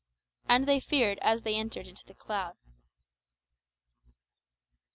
"And they feared as they entered into the cloud."